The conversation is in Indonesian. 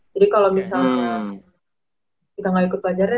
jadi kalau misalnya kita gak ikut pelajarnya